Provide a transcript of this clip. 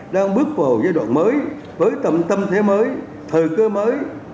đang bước vào giai đoạn mới với tầm tâm thế mới thời cơ mới